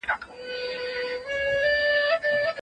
سو. یو بل ومنئ، او پردو ته په خپل کور کي ځای مه